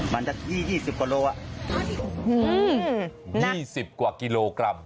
มันจะยี่ยี่สิบกว่าโลอ่ะอืมยี่สิบกว่ากิโลกรัม